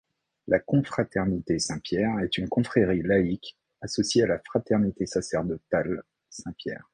La confraternité Saint-Pierre est une confrérie laïque associée à la Fraternité sacerdotale Saint-Pierre.